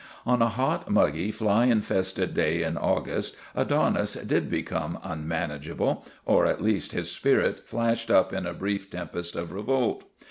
On a hot, muggy, fly infested day in August Adonis did become unmanageable, or at least his spirit flashed up in a brief tempest of revolt.